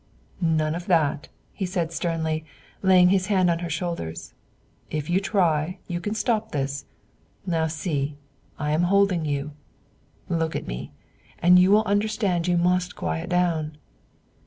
"None of that!" he said sternly, laying his hand on her shoulders. "If you try, you can stop this. Now see, I am holding you. Look at me, and you will understand you must quiet down."